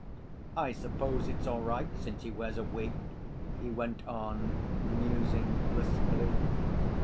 "I suppose it's all right since he wears a wig," he went on, musing blissfully.